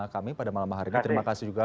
kami pada malam hari ini terima kasih juga